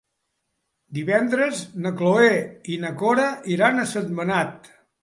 Divendres na Cloè i na Cora iran a Sentmenat.